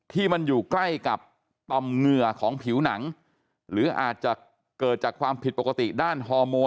ที่มันอยู่ใกล้กับต่อมเหงื่อของผิวหนังหรืออาจจะเกิดจากความผิดปกติด้านฮอร์โม